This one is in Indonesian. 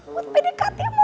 buat pdkt sama roman